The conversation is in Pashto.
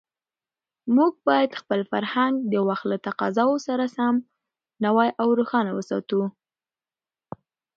موږ باید خپل فرهنګ د وخت له تقاضاوو سره سم نوی او روښانه وساتو.